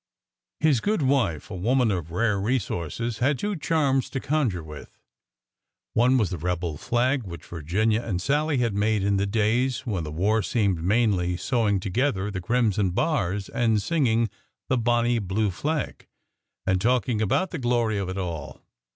His good wife, a woman of rare resources, had two charms to conjure with. One was the rebel flag which Virginia and Sallie had made in the days when the war seemed mainly sewing together the crimson bars and singing " The Bonny Blue Flag," and talking about the glory of it all.